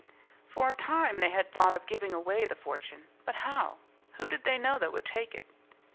For a time they had thought of giving away the fortune. But how? Who did they know that would take it?